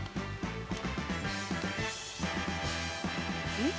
うん？